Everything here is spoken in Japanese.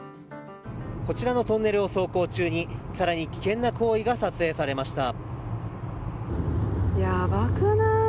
こちらのトンネルを走行中に更に危険な行為が撮影されました。